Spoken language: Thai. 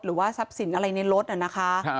หรือว่าทรัพย์สินอะไรในรถนะคะ